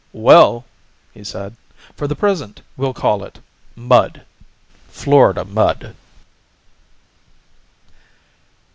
"Well," he said "for the present we'll call it mud Florida mud."